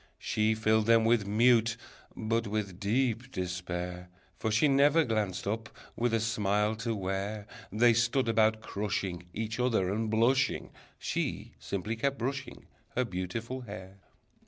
She filled them with mute, but with deep despair, For she never glanced up, with a smile, to where They stood about, crushing Each other, and blushing: She simply kept brushing Her beautiful hair.